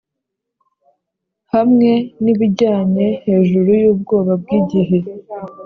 hamwe n'ibyanjye hejuru yubwoya bwigihe;